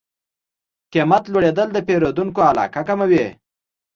قیمت لوړېدل د پیرودونکو علاقه کموي.